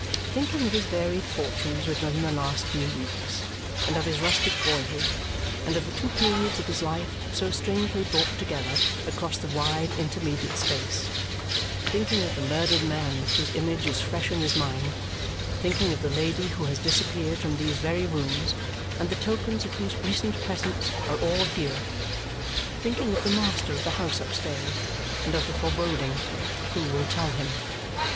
Thinking of his varied fortunes within the last few weeks, and of his rustic boyhood, and of the two periods of his life so strangely brought together across the wide intermediate space; thinking of the murdered man whose image is fresh in his mind; thinking of the lady who has disappeared from these very rooms and the tokens of whose recent presence are all here; thinking of the master of the house upstairs and of the foreboding, "Who will tell him!"